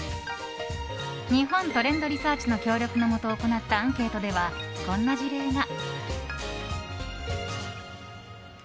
日本トレンドリサーチの協力のもと行ったアンケートではこんな事例が。